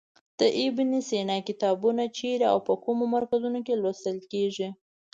د ابن سینا کتابونه چیرې او په کومو مرکزونو کې لوستل کیږي.